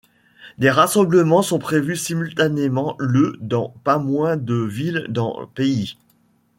Des rassemblements sont prévus simultanément le dans pas moins de villes dans pays.